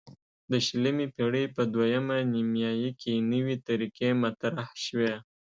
د شلمې پیړۍ په دویمه نیمایي کې نوې طریقې مطرح شوې.